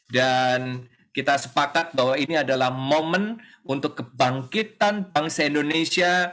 dan kita sepakat bahwa ini adalah momen untuk kebangkitan bangsa indonesia